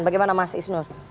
bagaimana mas isnur